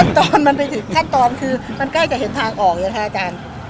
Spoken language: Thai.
ขั้นตอนมันไปถึงขั้นตอนคือมันใกล้จะเห็นทางออกอย่างแท้อาจารย์